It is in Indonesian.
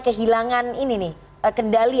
kehilangan ini nih kendali